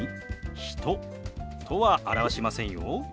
「人」とは表しませんよ。